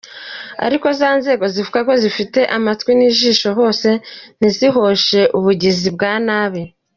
ariko za nzego zivuga ko zifite amatwi n’ijisho hose ntizihoshe ubugizi